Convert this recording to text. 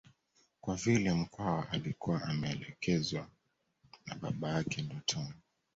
Kwa vile Mkwawa alikuwa ameelekezwa na baba yake ndotoni